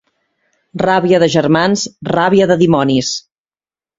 Ràbia de germans, ràbia de dimonis.